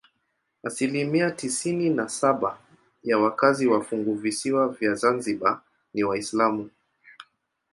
Asilimia tisini na saba ya wakazi wa funguvisiwa vya Zanzibar ni Waislamu.